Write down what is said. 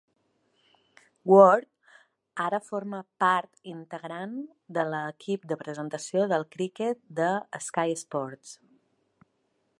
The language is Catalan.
Ward ara forma part integrant de l'equip de presentació del criquet de Sky Sports.